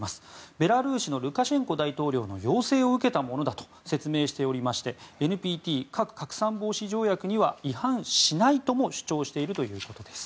ベラルーシのルカシェンコ大統領の要請を受けたものだと説明をしておりましてＮＰＴ・核拡散防止条約には違反しないとも主張しているということです。